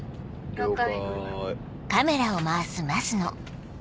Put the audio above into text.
了解。